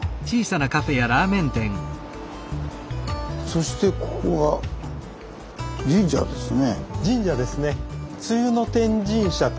そしてここが神社ですね。